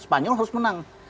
spanyol harus menang